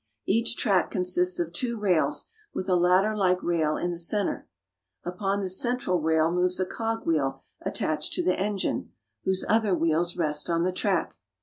Each track consists of two rails, with a ladderlike rail in the center. Upon this central rail moves a cogwheel at tached to the engine, whose other wheels rest on the track.